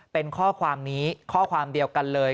เป็นข้อความนี้ข้อความเดียวกันเลย